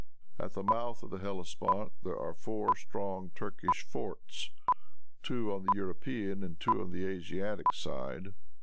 At the mouth of the Hellespont there are four strong Turkish forts, two on the European and two on the Asiatic side.